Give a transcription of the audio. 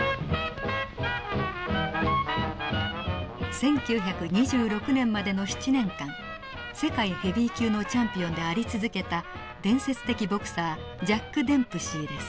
１９２６年までの７年間世界ヘビー級のチャンピオンであり続けた伝説的ボクサージャック・デンプシーです。